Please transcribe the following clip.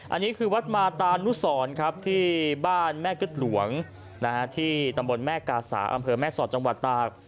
อันนี้คือวัดมาตานุสรครับที่บ้านแม่กึ๊ดหลวงที่ตำบลแม่กาสาอำเภอแม่สอดจังหวัดตาก